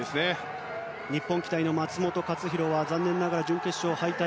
日本期待の松元克央は残念ながら準決勝敗退。